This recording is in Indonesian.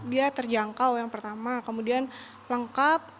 dia terjangkau yang pertama kemudian lengkap